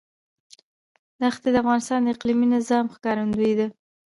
ښتې د افغانستان د اقلیمي نظام ښکارندوی ده.